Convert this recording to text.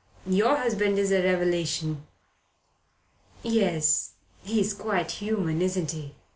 "Your husband is a revelation." "Yes, he's quite human, isn't he?"